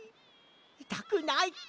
いたくない！